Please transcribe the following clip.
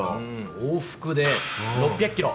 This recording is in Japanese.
往復で６００キロ。